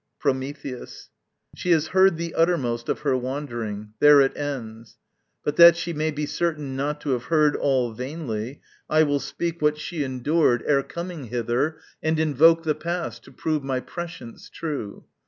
Prometheus. She has heard The uttermost of her wandering. There it ends. But that she may be certain not to have heard All vainly, I will speak what she endured Ere coming hither, and invoke the past To prove my prescience true.